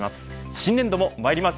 新年度もまいります。